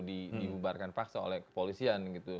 dihubarkan paksa oleh kepolisian